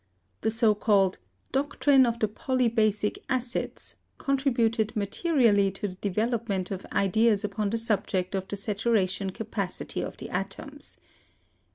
The so called doctrine of the polybasic acids contributed materially to the development of ideas upon the subject of the saturation capacity of the atoms.